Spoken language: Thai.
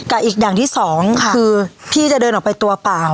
อีกอย่างที่สองคือพี่จะเดินออกไปตัวเปล่า